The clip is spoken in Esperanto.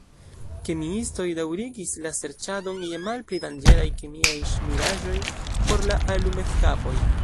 Kemiistoj daŭrigis la serĉadon je malpli danĝeraj kemiaj ŝmiraĵoj por la alumetkapoj.